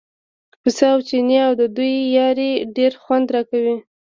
پسه او چینی او د دوی یاري ډېر خوند راکوي.